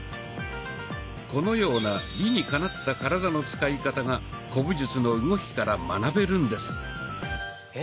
このような理にかなった体の使い方が古武術の動きから学べるんです。